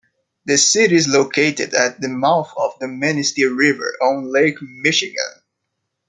The city is located at the mouth of the Manistee River on Lake Michigan.